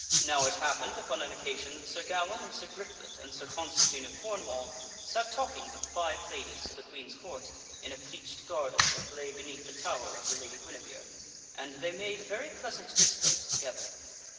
Now it happened upon an occasion that Sir Gawaine and Sir Griflet and Sir Constantine of Cornwall sat talking with five ladies of the Queen's Court in a pleached garden that lay beneath the tower of the T1 _.,.,,,. Sir Gawaine Lady Guinevere, and they made very pleasant discourse and others sit together.